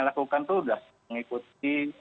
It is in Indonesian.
lakukan itu sudah mengikuti